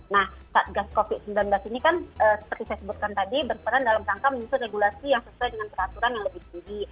nah satgas covid sembilan belas ini kan seperti saya sebutkan tadi berperan dalam rangka menyusun regulasi yang sesuai dengan peraturan yang lebih tinggi